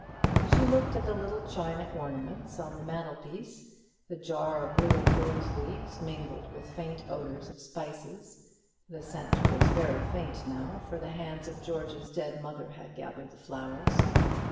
She looked at the little china ornaments on the mantel piece, the jar of withered rose leaves, mingled with faint odours of spices the scent was very faint now, for the hands of George's dead mother had gathered the flowers.